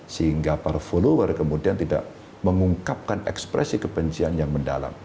sehingga para follower kemudian tidak mengungkapkan ekspresi kebencian yang mendalam